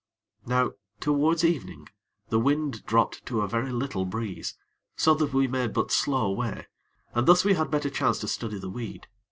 Now, towards evening, the wind dropped to a very little breeze, so that we made but slow way, and thus we had better chance to study the weed.